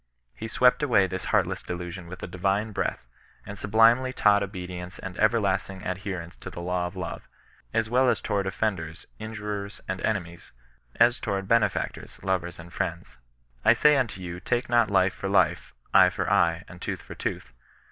He swept away this heartless delusion with a divine breath, and sublimely taught obedient and everlasting adherence to the law of love, as well toward offenders, injurers and enemies, as toward benefactors, lovers and friends. / sai/ unto yon take not life for life, ^H^for eye, and tooth for tooth.